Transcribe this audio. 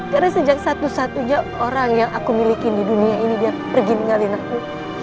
karena sejak satu satunya orang yang aku miliki di dunia ini dia pergi ninggalin aku